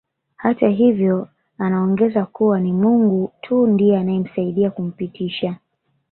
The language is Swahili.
Hata hivyo anaongeza kuwa ni Mungu tu ndiye anayemsaidia kumpitisha